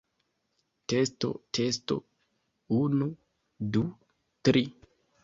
Testo testo, unu, du, tri.